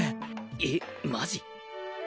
えっマジ？